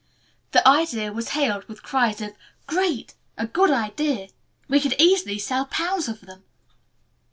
the idea was hailed with cries of "Great," "A good idea." "We could easily sell pounds of them."